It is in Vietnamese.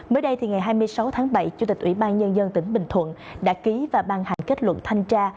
mới đây thì ngày hai mươi sáu tháng bảy chủ tịch ubnd tỉnh bình thuận đã ký và ban hành kết luận thanh tra